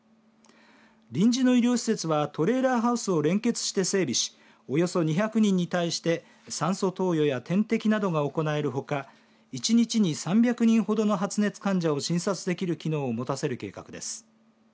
臨時の医療施設はトレーラーハウスを連結して整備しおよそ２００人に対して酸素投与や点滴などが行えるほか１日に３００人ほどの発熱患者を診察できる機能を持たせる計画です。